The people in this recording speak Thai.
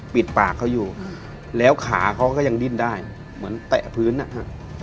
ปิดปากเขาอยู่แล้วขาเขาก็ยังดิ้นได้เหมือนแตะพื้นนะครับ